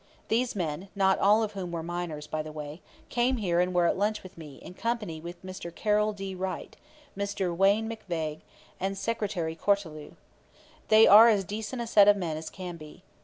These men, not all of whom were miners, by the way, came here and were at lunch with me, in company with Mr. Carroll D. Wright, Mr. Wayne MacVeagh, and Secretary Cortelyou. They are as decent a set of men as can be.